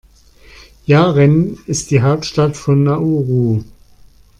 Yaren ist die Hauptstadt von Nauru.